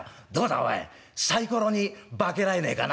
おいサイコロに化けられねえかな？」。